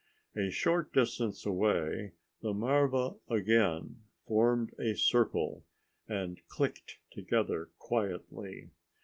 A short distance away the marva again formed a circle and clicked together quietly.